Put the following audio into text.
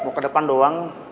mau ke depan doang